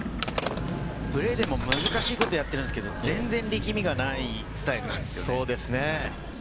難しいことやってるんですけど、力みがないスタイルなんですよね。